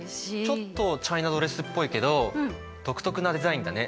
ちょっとチャイナドレスっぽいけど独特なデザインだね。